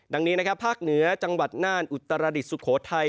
ดังนี้นะครับภาคเหนือจังหวัดน่านอุตรดิษฐสุโขทัย